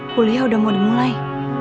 kuliah udah mau dimulai